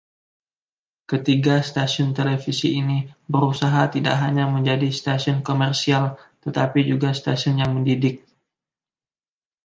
Ketiga stasiun televisi ini berusaha tidak hanya menjadi stasiun komersial tetapi juga stasiun yang mendidik.